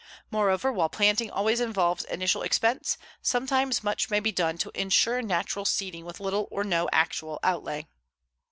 Moreover, while planting always involves initial expense, sometimes much may be done to insure natural seeding with little or no actual outlay.